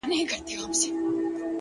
هره ورځ د ځان د بیا لیکلو فرصت دی.